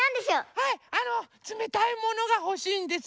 はいあのつめたいものがほしいんです。